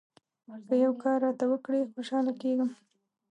که یو کار راته وکړې ، خوشاله کېږم.